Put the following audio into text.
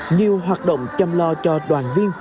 nhiều hoạt động chăm lo cho đoàn viên